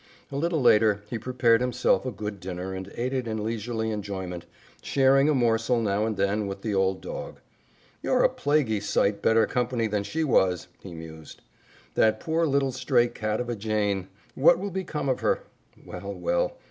A little later, he prepared himself a good dinner and ate it in leisurely enjoyment, sharing a morsel now and then with the old dog. "You're a plaguey sight better company than she was," he mused. "That poor little stray cat of a Jane! What will become of her? Well, well!